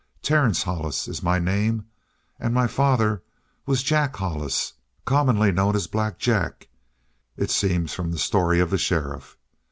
Terence Hollis is my name and my father was Jack Hollis, commonly known as Black Jack, it seems from the story of the sheriff.